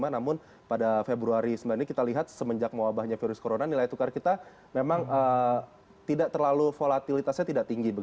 namun pada februari sebenarnya kita lihat semenjak mewabahnya virus corona nilai tukar kita memang tidak terlalu volatilitasnya tidak tinggi